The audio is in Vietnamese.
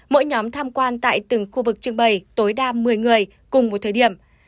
mỗi nhóm tham quan tại từng khu vực trưng bày tối đa một mươi người cùng một thời điểm